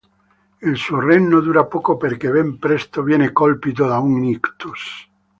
Il suo regno dura poco perché ben presto viene colpito da un ictus.